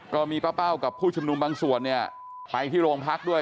ก็มีป้าเป้ากับผู้ชุมนุมบางส่วนเนี่ยไปที่โรงพักด้วย